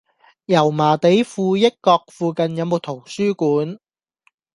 油麻地富益閣附近有無圖書館？